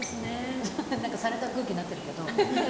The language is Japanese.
された空気になってるけど。